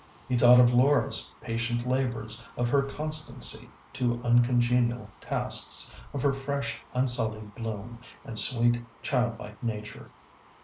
He thought of Laura's patient labours, of her constancy to uncongenial tasks, of her fresh, unsullied bloom, and sweet, childlike nature.